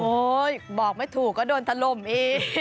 โอ้ยบอกไม่ถูกก็โดนทะลมอีก